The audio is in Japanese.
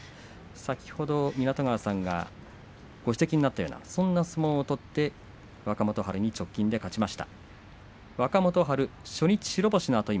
先ほど湊川さんがご指摘になったような相撲を取って若元春に直近で勝ちました。